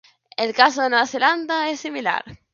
El caso de Nueva Zelanda es similar.